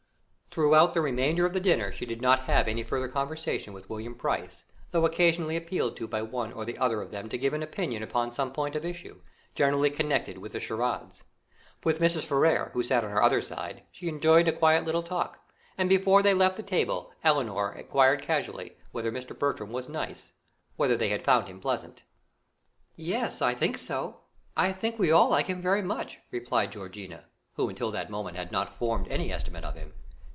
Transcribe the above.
Throughout the remainder of dinner she did not have any further conversation with William Price, though occasionally appealed to by one or other of them to give an opinion upon some point at issue, generally connected with the charades. With Mrs. Ferrars, who sat on her other side, she enjoyed a quiet little talk, and before they left the table Elinor inquired casually whether Mr. Bertram was nice whether they had found him pleasant. "Yes, I think so I think we all like him very much," replied Georgiana, who until that moment had not formed any estimate of him.